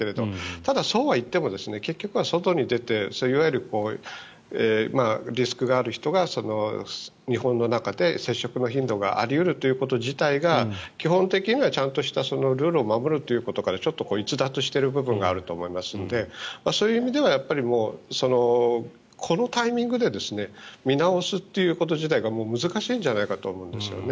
ただ、そうはいっても結局は外に出ていわゆるリスクがある人が日本の中で接触の頻度があり得るということ自体が基本的にはちゃんとしたルールを守るということからちょっと逸脱している部分があると思いますのでそういう意味ではこのタイミングで見直すということ自体が難しいんじゃないかと思うんですよね。